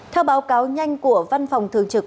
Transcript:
theo báo cáo nhanh của văn phòng thường trực